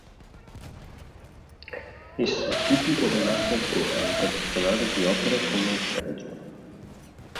Essa è tipica dell'arte antica, in particolare di opere come i fregi.